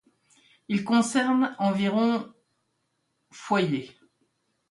Il concerne environ foyers.